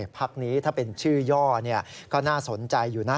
พักนี้ถ้าเป็นชื่อย่อก็น่าสนใจอยู่นะ